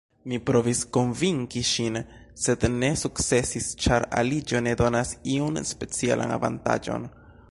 Mi provis konvinki ŝin, sed ne sukcesis, ĉar aliĝo ne donas iun specialan avantaĝon.